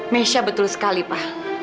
mesya betul sekali pak